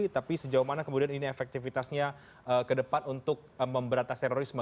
tapi sejauh mana kemudian ini efektivitasnya ke depan untuk memberantas terorisme